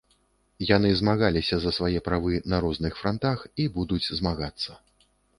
Яны змагаліся за свае правы на розных франтах і будуць змагацца.